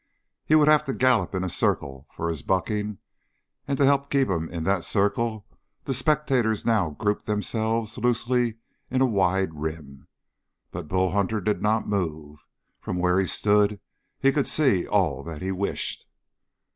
He would have to gallop in a circle for his bucking, and to help keep him in that circle, the spectators now grouped themselves loosely in a wide rim. But Bull Hunter did not move. From where he stood he could see all that he wished.